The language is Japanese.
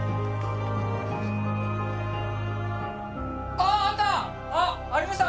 あっあった！